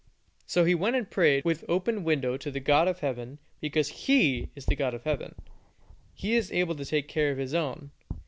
So he went and prayed with open window to the God of Heaven, and because He is the God of Heaven, He is able to take care of His own.